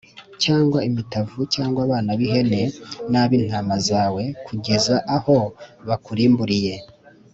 cyangwa imitavu cyangwa abana b’ihene n’ab’intama zawe, kugeza aho bakurimburiye.